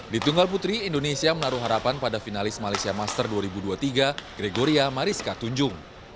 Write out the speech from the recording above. di tunggal putri indonesia menaruh harapan pada finalis malaysia master dua ribu dua puluh tiga gregoria mariska tunjung